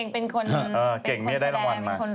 เป็นคนแชร์เป็นคนร้อม